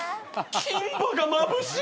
金歯がまぶしい。